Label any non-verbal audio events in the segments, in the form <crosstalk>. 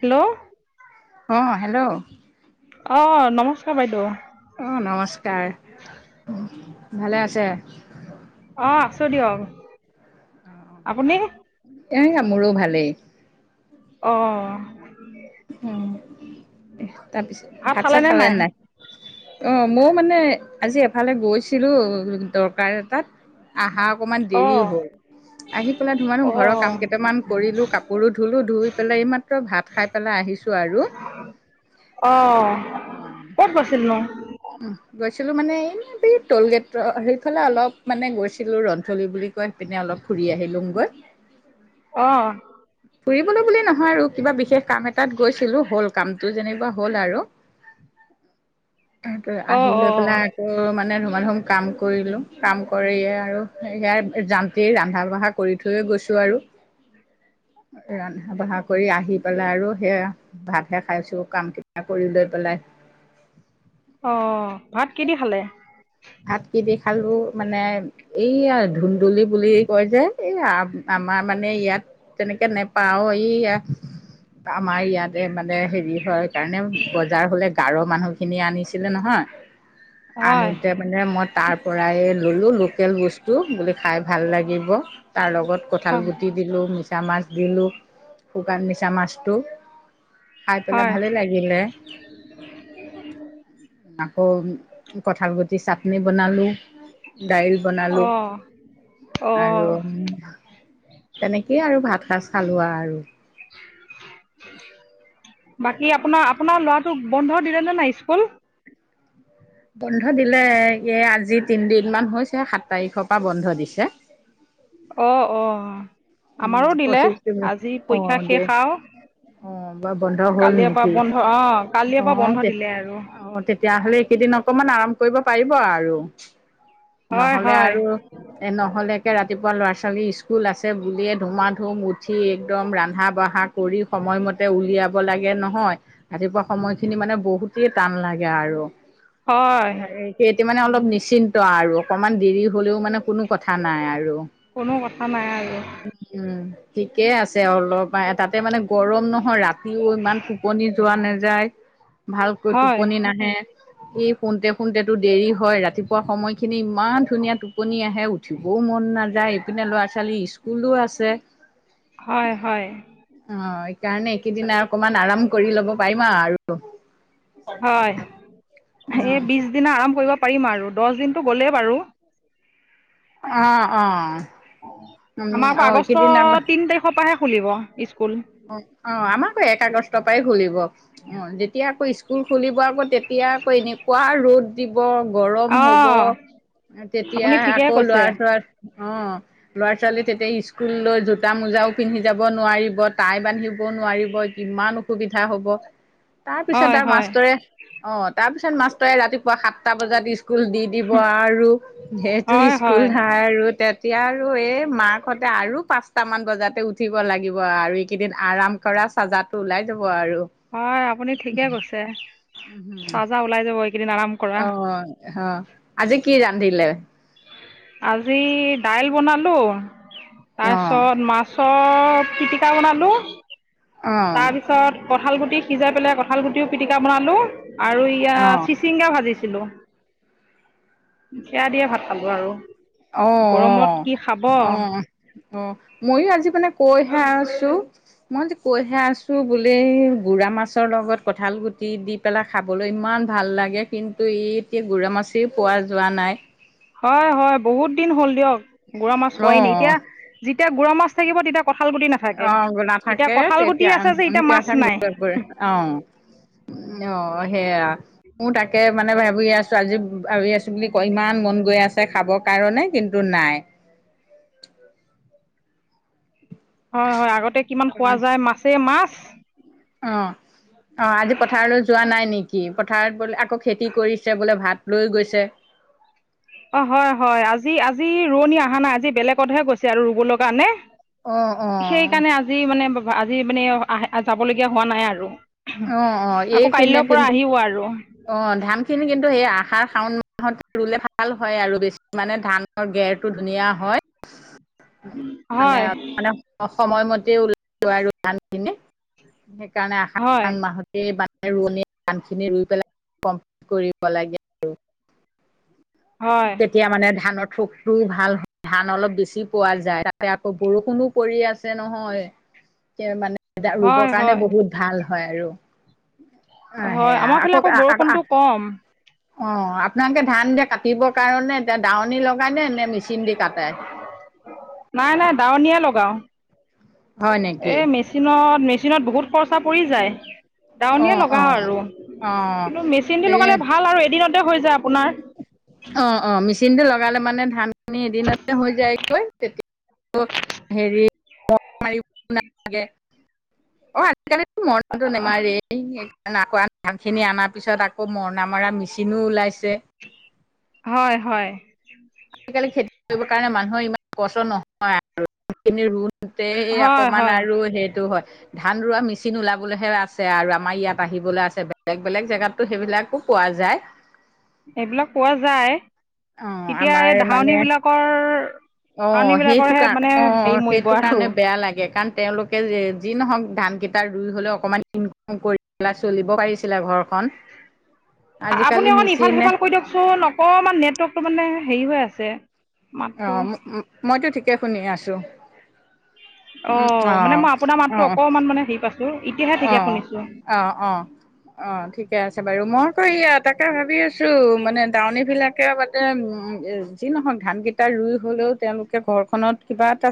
Hello! অ hello অ', নমস্কাৰ বাইদেউ। অ', নমস্কাৰ ভালে আছে? অ', আছোঁ দিয়ক আপুনি? এইয়া মোৰো ভালেই। অ'। উম, তাৰপিছত ভাত চাত খালে নাই? অ', মওঁ মানে আজি এফালে গৈছিলোঁ দৰকাৰ এটাত। আহা অকমান দেৰি অঁ হ'ল। আহি পেলাই ধুমাধুম ঘৰৰ অঁ কাম কেটামান কৰিলোঁ, কাপোৰো ধুলোঁ ধুই পেলাই এইমাত্ৰ ভাত খাই আহিছোঁ আৰু, অঁ ক'ত গৈছিলনো উম। গৈছিলোঁ মানে এই বি ট'ল গেট সেইফালে অলপ মানে গৈছিলোঁ ৰন্থলি বুলি কয় পিনে অলপ ফুৰি আহিলুং গৈ। অ'। ফুৰিবলৈ বুলি নহয় আৰু কিবা বিশেষ কাম এটাত গৈছিলোঁ হ'ল কামটো যেনিবা হ'ল আৰু। তাতে অঁ আহি লৈ অঁ পেলাই আকৌ মানে ধুমাধুম কাম কৰিলোঁ, কাম কৰি এইয়া আৰু যান্তীৰ ৰান্ধা বঢ়া কৰি থৈয়ে গৈছোঁ আৰু ৰান্ধা বঢ়া কৰি আহি পেলাই আৰু সেয়া ভাতহে খাইছোঁ কামকেটা কৰি লৈ পেলাই। অ', ভাত কি দি খালে? ভাত কি দি খালোঁ মানে এইয়া ধুন্দুলি বুলি কয় যে এই আমাৰ মানে ইয়াত তেনেকে নেপাও অ', এইয়া। আমাৰ ইয়াতে মানে হেৰি হয়, কাৰণে বজাৰ হলে গাৰ মানুহ খিনি আনিছিলে নহয়, আনো হয় তেতিয়া মানে মই তাৰ পৰাই ল'লোঁ লোকেল বস্তু, বুলি খাই ভাল লাগিব তাৰ লগত কঁঠাল হয় গুটি দিলোঁ, মিছা মাছ দিলোঁ, শুকান মিছা মাছটো খাই পেলাই হয় ভালে লাগি লে, আকৌ কঁঠাল গুটি দি চাটনি বনালোঁ, দাইল বনালোঁ। অঁ অঁ আৰু তেনেকেই আৰু ভাত সাজ খালোঁ আৰু। <inaudible> বাকী আপোনাৰ, আপোনাৰ ল'ৰাটোক বন্ধ দিলেনে নাই স্কুল? বন্ধ দিলে এ, আজি তিনদিন মান হৈছে সাত তাৰিখ পা বন্ধ দিছে। অ', অ', অ'। উম, প্ৰচি <unintelligible> দে <unintelligible> শেষ আৰু অ', বা বন্ধ হ'ল কালিৰ পৰা নেকি? বন্ধ অঁ কালিৰ পৰা বন্ধ অ', তেত দিলে আৰু অ', তেত তেতিয়াহ'লে এইকেইদিন অকমান আৰাম কৰিব পাৰিব আৰু হয় নহ'লে হয় আৰু নহ'লেকে ৰাতিপুৱা ল'ৰা ছোৱালী স্কুল আছে বুলিয়ে ধুমাধুম উঠি একদম ৰান্ধা বাঢ়া কৰি সময়মতে উলিয়াব লাগে নহয়! ৰাতিপুৱা সময়খিনি মানে বহুতেই টান লাগে আৰু, হয় লাগেই। সেইটো মানে অলপ নিশ্চিন্ত আৰু অকণমান দেৰি হ'লেও মানে কোনো কথা নাই আৰু। কোনো কথা নাই আৰু। উম, ঠিকে আছে অলপ বা তাতে মানে গৰম নহয়, ৰাতিও ইমান টোপনি যোৱা নাযায়। ভালকৈ হয় টোপনি নাহে। এই শুতে, শুতেটো দেৰি হয়, ৰাতিপুৱা সময়খিনি ইমান ধুনীয়া টোপনি আহে উ উঠিবও মন নাযায়, ইপিনে ল'ৰা ছোৱালী স্কুলো আছে। হয়, হয়। অ', এইকাৰণে এইকিদিন অকমান আৰাম কৰি ল'ব পাৰিম আৰু। হয়, এই বিশদিন আৰাম কৰিব পাৰিম আৰু দছ দিনতটো গ'লেই বাৰু। অ', অ'। উম আমাৰ অ আকৌ আগষ্ট এইকেইদিন আৰু তিন তাৰিখ পাহে খুলিব, স্কুল। অ', অ', আমাৰ আকৌ এক আগষ্টৰ পাই খুলিব। অ', যেতিয়া আকৌ স্কুল খুলিব আকৌ তেতিয়া আকৌ এনেকুৱা ৰ'দ দিব গৰম হ'ব, অঁ তেতিয়া আপুনি ঠিকে আকৌ ল'ৰা কৈছে ছোৱা অ', ল'ৰা ছোৱালী তেতিয়া স্কুললৈ জোতা মোজাও পিন্ধি যাব নোৱাৰিব টাই বান্ধিব নোৱাৰিব, কিমান অসুবিধা হ'ব তাৰ পিছত হয় আৰু হয় মাষ্টৰে অ', তাৰপিছত মাষ্টৰে ৰাতিপুৱা সাতটা বজাত স্কুল দি দিব আৰু সেইটো হয় স্কুল হয় আৰু তে তিয়া আৰু এই মাকহতে আৰু পাঁচটামান বজাতে উঠিব লাগিব আৰু এইকিদিন আৰাম কৰা চাজাটো ওলাই যাব আৰু। হয়, আপুনি ঠিকে কৈছে। উম চাজা ওলাই যাব এইকিদিন আৰাম কৰা অ', হ' আজি কি ৰান্ধিলে? আজি দাইল বনালো, অ তাৰপিছত মাছ ছত পিটিকা বনালো, তাৰপিছ পিছত কঁঠাল গুটি সিজাই পেলাই কঁঠাল গুটিও পিটিকা বনালোঁ। আৰু ইয়া অ অ চিচিংগা ভাজিছিলোঁ। সেয়া দিয়ে ভাত খালো আৰু। অ', গৰমত অ', কি খাব অ'। অ', ময়ো আজি মানে কৈহে আছো। মই আজি কৈহে আছো বোলি গুড়া মাছৰ লগত কঁঠাল গুটি দি পেলাই খাবলৈ ইমান ভাল লাগে। কিন্তু ই এতিয়া গুড়া মাছে পোৱা যোৱা নাই। হয় হয়। বহুত দিন হ'ল দিয়ক গুড়া মাছ পোৱাই নাই। অ', এতিয়া যেতিয়া গুড়া মাছ থাকিব তেতিয়া কঁঠাল গুটি না অ', গুড়া থাকে তেতিয়া যে আমি এতিয়া <unintelligible> মাছ অ', উ নাই অ', সেয়া। মোৰ তাকে মানে ভাবি আছ ছোৱালী ৰৈ আছোঁ বুলি কয়। ইমান মন গৈ আছে খাবৰ কাৰণে কিন্তু নাই। হয় হয়। আগতে কিমান খোৱা অ', যায় মাছে মাছ। অ', অ', আজি পথাৰলৈ যোৱা নাই নেক কি পথাৰত বোলে আকৌ খেতি কৰিছে বোলে ভাত লৈ গৈছে। অ', হয় হয়। আজি আজি ৰোৱনী আহা নাই। আজি বেলেগতহে গৈছে আৰু ৰুবলে কাৰনে। অ অ সেইকাৰণে আজি মানে আজি মানে আহ যাবলগীয়া হোৱা নাই আৰু। অ অ আকৌ এইখিনিয়ে কাইলৈৰ পৰা কিন্তু আহিব আৰু। অ', ধানখিনি কিন্তু সেই আষাৰ-শাওণ মাহত ৰুলে ভাল হয়। আৰু বেছি মানে ধান ৰ গেৰটো ধুনীয়া হয়। হয়। অ', সময়মতে ওলাই <unintelligible> আৰু ধানখিনি। সেইকাৰণে হয় আষাৰ-শাওন মাহত <unintelligible> ৰোৱনী বানখিনি ৰুই পেলাই কম <inaudible> ট কৰিব লাগে আৰু। হয় তেতিয়া মানে ধানৰ থোকটোও ভাল <inaudible> ধান অলপ বেছি পোৱা যায়। তাতে আকৌ বৰষুণো পৰি আছে নহয়। মানে এ ৰুবৰ হয় কাৰণে হয় বহুত ভাল হয় আৰু। অ', হয় হেয়া আমাৰ ফালে আকৌ ক আকৌ বৰষুণটো আক কম অ', আপোনালোকে ধান এতিয়া কাটিবৰ কাৰণে এতিয়া দাৱনী লগাইনে নে মেচিন দি কাটে? নাই নাই দাৱনীয়ে লগাও। হয় এ নেকি মেছ মেচিনত মেচিনত বহুত খৰচা পৰি যায়। অ দাৱনীয়ে অ লগাও আৰু। অ কিন্তু মেচিন দি এ লগালে ভাল আৰু এদিনতে হৈ যায় আপোনাৰ। অ', অ', মেচিন টো লগালে মানে ধান আমি এদিনতে হৈ যায়গৈ। তেত <inaudible> হেৰি <unintelligible> লাগে। অ', আজিকালিতো মৰণাটো নেমাৰেই। ই <unintelligible> ধানখিনি অনাৰ পিছত আকৌ মৰণা মৰা মেচিনো ওলাইছে। হয় হয়। আজিকালি খেতি কৰিবৰ কাৰণে মানুহৰ ইমান কষ্ট নহয় আৰু <unintelligible> তে সেই হয় অকমান হয় আৰু সেইটো হয়। ধান ৰোৱা মেচিন ওলাবলৈহে আছে আৰু। আমাৰ ইয়াত আহিবলৈ আছে। বেলেগ বেলেগ জেগাততো সেইবিলাকো পোৱা যায়। এইবিলাক পোৱা যায়। অ তেতিয়া আমাৰ এই মানে ধাৱনী বিলাকৰ অ', সেইটো কাৰণ। অ', সেইটো কাৰণে আৰু বেয়া লাগে। কাৰণ তেওঁলোকে যে যি নহওক ধান কেইটা ৰুই হ'লেও অকমান ইনকম কৰি পেলাই চলিব পাৰিছিলে ঘৰখন। <inaudible> আপুনি অকণ মেচিনে ইফাল-সিফাল কৰি দিয়কচোন। অকণমান নেটৱৰ্কটো মানে হেৰি হৈ আছে। মাতটো অ', ম মইতো ঠিকে শুনি আছোঁ। অ', মানে মই আপোনাৰ মাততো অ অকমান মানে হেৰি পাইছো। এতিয়াহে ঠিকে অ', শুনিছো। অ', অ'। অ', ঠিকে আছে বাৰু। মই আকৌ এয়া তাকে ভাবি আছো মানে দাৱনীবিলাকে মান উম, যি নহওক ধান কেইটা ৰুই হলেও তেওঁলোকে ঘৰখনত কিবা এটা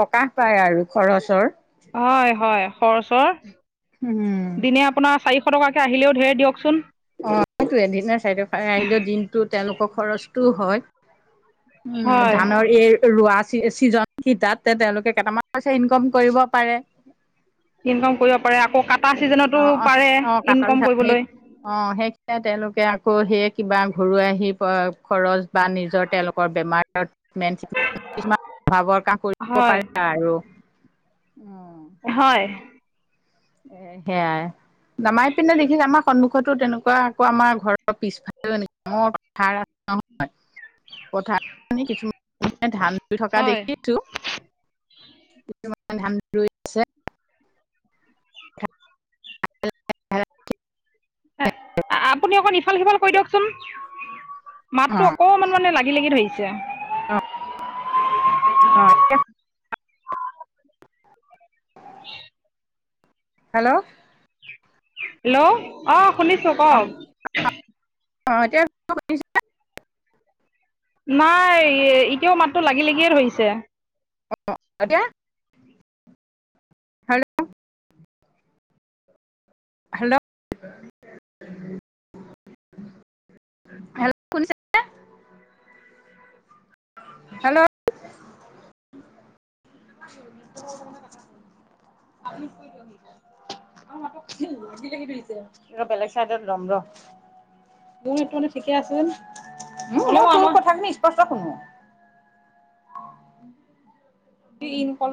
প্ৰকাশ পায় আৰু খৰচৰ হয় - হয়, খৰচৰ। উম, হুম। দিনে আপোনাৰ চাৰিশ টকাকে আহিলেও ধেৰ দিয়কচোন। অ', সেইটোৱে এদিনা চাইডৰ আহিলে দিনটো তেওঁলোকৰ খৰচটোও হয়। উম, হয় ধানৰ এই ৰুৱা। ছিজন কিতাতে তেওঁলোকে কেইটামান পইচা ইনকাম কৰিব পাৰে। ইনকাম কৰিব পাৰে আকৌ কাটা ছিজনতো অ', অ', পাৰে কাটা ইনকম কৰিবলৈ। অ', সেই তেওঁলোকে আকৌ সেয়ে কিবা ঘৰুৱা আহি খৰচ বা নিজৰ তেওঁলোকৰ বেমাৰ। <unintelligible> কিছুমান প্ৰভাৱৰ কাম কৰিব হয় পাৰে আৰু অ', হয় এ সেয়াই। নামাই পিনে দেখি আমাৰ সন্মুখতো তেনেকুৱা আকৌ আমাৰ ঘৰৰ পিছফালেও <unintelligible> <unintelligible> পথাৰ কিছুমান মানুহে ধান ৰুই থকা হয় দেখি কিছুমান <inaudible> আপুনি অকণ ইফাল সিফাল কৰি দিয়কচোন, মাতটো অ', অকণমান মানে লাগি লাগি লাগি ধৰিছে অ', <inaudible> হেল্ল' হেল্ল' অ', শুনিছোঁ অ', কওক। অ', এতিয়া নাই এতিয়াও মাতটো লাগি লাগিয়ে ধৰিছে। অ', এতিয়া? হেল্ল' হেল্ল' শুনিছা নে হেল্ল' <inaudible> <inaudible> বেলেগ চাইডত লম ৰ'। তোৰ এইটো মানে ঠিকে আছে আ, তোৰ কথা খিনি স্পষ্ট শুনো। ইন